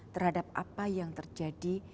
terhadap apa yang terjadi